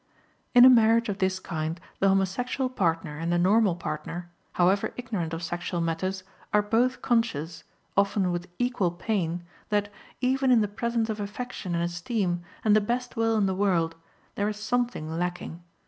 " In a marriage of this kind the homosexual partner and the normal partner however ignorant of sexual matters are both conscious, often with equal pain, that, even in the presence of affection and esteem and the best will in the world, there is something lacking.